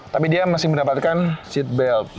tapi dia masih mendapatkan seatbelt